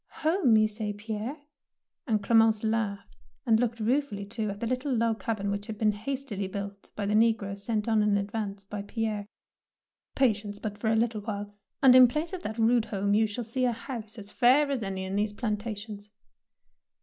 " Home, say you, Pierre? " and Clem ence laughed, and looked ruefully, too, at the little log cabin which had been 166 THE PEAKL NECKLACE hastily built by the negroes sent on in advance by Pierre. '' Patience but for a little while, and in place of that rude home you shall see a house as fair as any in these plantations."